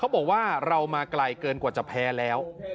บอกว่าเรามาไกลเกินกว่าจะแพ้แล้ว